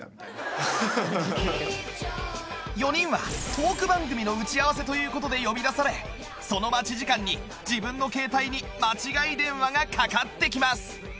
４人はトーク番組の打ち合わせという事で呼び出されその待ち時間に自分の携帯に間違い電話がかかってきます。